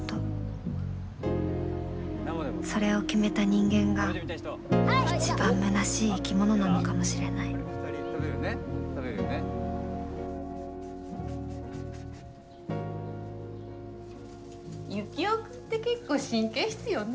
それを決めた人間が一番むなしい生き物なのかもしれないユキオ君って結構神経質よね。